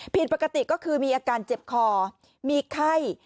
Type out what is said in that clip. ผิดปกติก็คือมีอาการเจ็บคอมีไข้